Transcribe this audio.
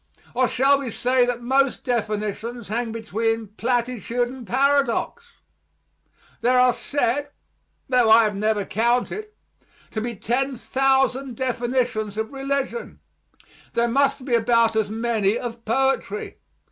Or shall we say that most definitions hang between platitude and paradox? There are said, tho I have never counted, to be 10,000 definitions of religion. There must be about as many of poetry.